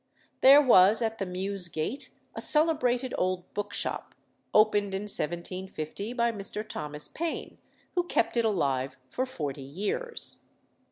There was at the Mews gate a celebrated old book shop, opened in 1750 by Mr. Thomas Payne, who kept it alive for forty years.